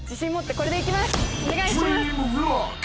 お願いします！